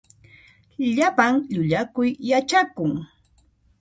Llapan llullakuy yachakun.